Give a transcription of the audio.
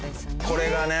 これがね。